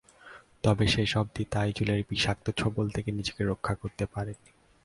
তবে শেষ অবদি তাইজুলের বিষাক্ত ছোবল থেকে নিজেকে রক্ষা করতে পারেননি।